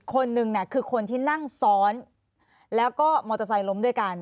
คนหนึ่งคือคนที่นั่งซ้อนแล้วก็มอเตอร์ไซค์ล้มด้วยกัน